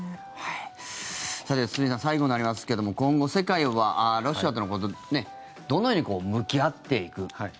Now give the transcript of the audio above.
さて、堤さん最後になりますけども今後、世界はロシアとどのように向き合っていく。